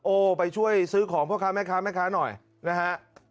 โอ้ไปช่วยซื้อของพ่อค้าแม่ค้าแม่ค้าหน่อยนะครับ